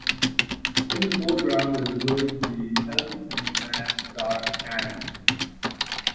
In the foreground is a glowing tree held in the man's dark hand.